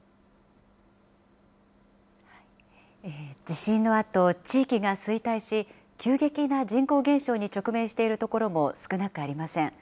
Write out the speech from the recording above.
地震のあと、地域が衰退し、急激な人口減少に直面している所も少なくありません。